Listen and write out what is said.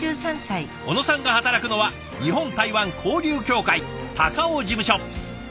小野さんが働くのは日本台湾交流協会高雄事務所。